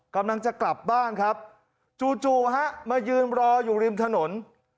กำลังจะกลับบ้านครับจู่ฮะมายืนรออยู่ริมถนน